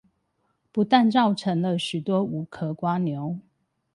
不但造成了許多無殼蝸牛